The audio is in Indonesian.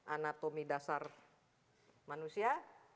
anatomi dasar manusia